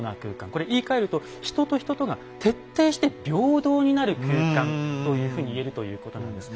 これ言いかえると人と人とが徹底して平等になる空間というふうに言えるということなんです。